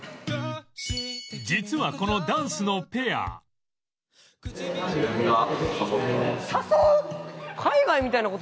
実はこのダンスのペア誘う！？